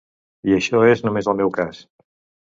I això és només el meu cas.